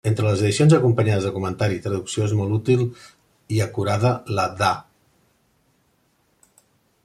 Entre les edicions acompanyades de comentari i traducció és molt útil i acurada la d’A.